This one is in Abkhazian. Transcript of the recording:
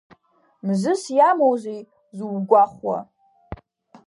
Мзызс иамоузеи зугәахәуа?